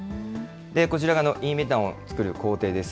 こちらがイーメタンを作る工程です。